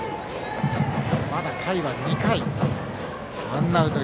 まだ回は２回。